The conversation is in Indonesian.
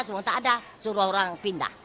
semua tak ada suruh orang pindah